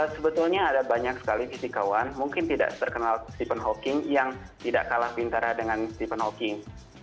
sebetulnya ada banyak sekali fisikawan mungkin tidak terkenal stephen hawking yang tidak kalah pintara dengan stephen hawking